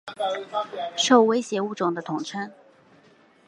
受威胁物种的统称。